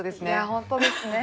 本当ですね。